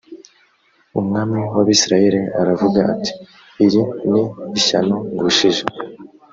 umwami w abisirayeli aravuga ati iri ni ishyano ngushije